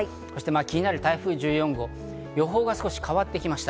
気になる台風１４号、予報が少し変わってきました。